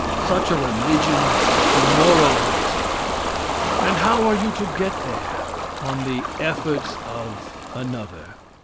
Such a religion is demoralizing; and how are you to get there? On the efforts of another.